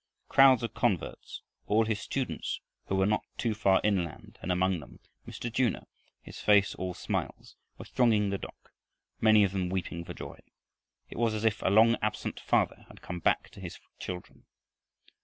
Crowds of converts, all his students who were not too far inland, and among them, Mr. Junor, his face all smiles, were thronging the dock, many of them weeping for joy. It was as if a long absent father had come back to his children.